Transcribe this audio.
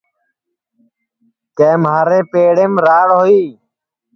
کہ مہارے پیڑیم راڑ ہوئی